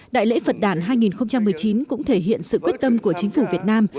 đại lễ phật đàn hai nghìn một mươi chín cũng thể hiện sự quyết tâm của chính phủ việt nam